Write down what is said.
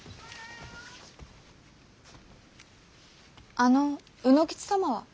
あの卯之吉様は？